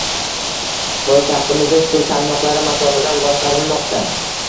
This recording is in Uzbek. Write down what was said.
Poytaxtimizda suv tarmoqlari masofadan boshqarilmoqda